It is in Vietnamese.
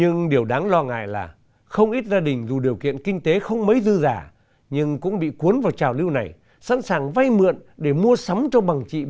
nhưng điều đáng lo ngại là không ít gia đình dù điều kiện kinh tế không mấy dư giả nhưng cũng bị cuốn vào trào lưu này sẵn sàng vây mượn để mua sắm cho bằng chị bằng em dẫn đến sự tốn kém vượt quá khả năng chi tiêu